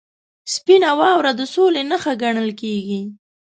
• سپینه واوره د سولې نښه ګڼل کېږي.